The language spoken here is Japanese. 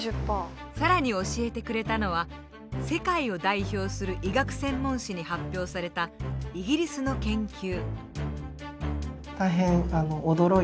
更に教えてくれたのは世界を代表する医学専門誌に発表されたイギリスの研究。